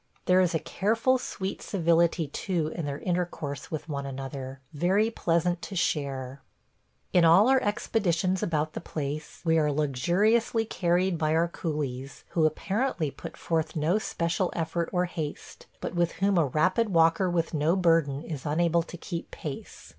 There is a careful sweet civility too in their intercourse with one another, very pleasant to share. ... In all our expeditions about the place we are luxuriously carried by our coolies, who apparently put forth no special effort or haste, but with whom a rapid walker with no burden is unable to keep pace.